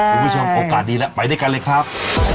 โอกาสดีแล้วไปด้วยกันเลยครับ